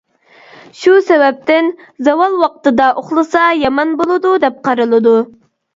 شۇ سەۋەبتىن، زاۋال ۋاقتىدا ئۇخلىسا يامان بولىدۇ دەپ قارىلىدۇ.